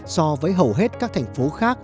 so với hầu hết các thành phố khác